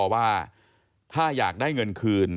ว่าถ้าอยากได้เงินคืน